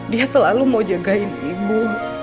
dia selalu mau jagain ibu